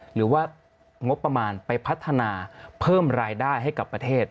หรือว่างบประมาณไปพัฒนาเพิ่มรายได้ให้กับประเทศ